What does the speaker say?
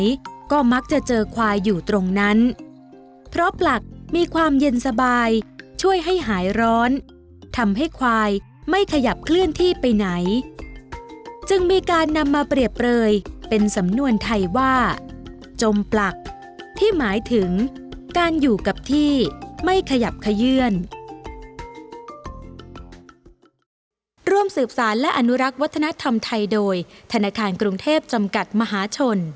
อยู่ตรงไหนก็มักจะเจอควายอยู่ตรงนั้นเพราะปลักมีความเย็นสบายช่วยให้หายร้อนทำให้ควายไม่ขยับเคลื่อนที่ไปไหนจึงมีการนำมาเปรียบเปลยเป็นสำนวนไทยว่าจมปลักที่หมายถึงการอยู่กับที่ไม่ขยับเคยื่อนร่วมสืบสารและอนุรักษ์วัฒนธรรมไทยโดยธนาคารกรุงเทพจำกัดมหาชน